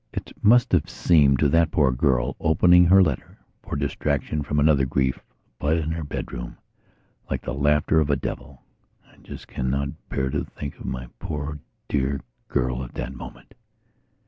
It must have seemed to that poor girl, opening her letter, for distraction from another grief, up in her bedroom, like the laughter of a devil. I just cannot bear to think of my poor dear girl at that moment....